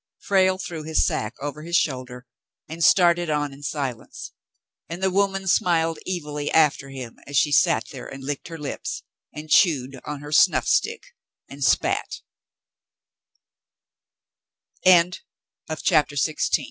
Frale threw his sack over his shoulder and started on in silence, and the woman smiled evilly after him as she sat there and licked her lips, and chewed on her snuff